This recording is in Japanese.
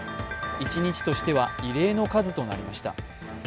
一日としては異例の数となりました。